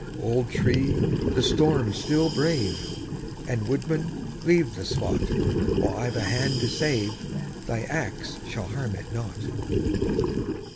Old tree! the storm still brave! And, woodman, leave the spot; While I've a hand to save, thy axe shall harm it not.